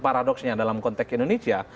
paradoxnya dalam konteks indonesia